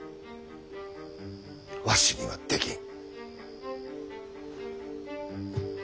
わしにはできん。